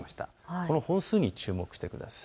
この本数に注目してください。